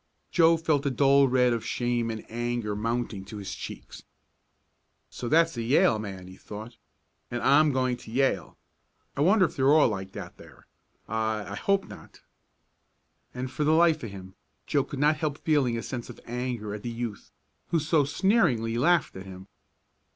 Joe felt the dull red of shame and anger mounting to his cheeks. "So that's a Yale man," he thought. "And I'm going to Yale. I wonder if they're all like that there? I I hope not." And, for the life of him, Joe could not help feeling a sense of anger at the youth who had so sneeringly laughed at him.